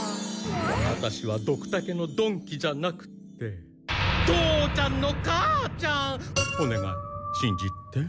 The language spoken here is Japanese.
アタシはドクタケの曇鬼じゃなくて父ちゃんの母ちゃん！おねがいしんじて。